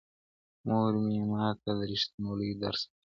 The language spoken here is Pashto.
مور مې ماته د ریښتینولۍ درس راکړ.